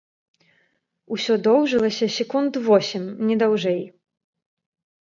Усё доўжылася секунд восем, не даўжэй.